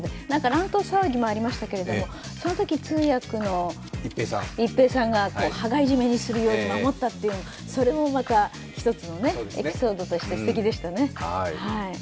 乱闘騒ぎもありましたけど、そのとき通訳の一平さんが羽交い締めするように守ったというのもまた１つのエピソードとしてすてきでしたね。